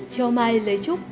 cho mai lấy chúc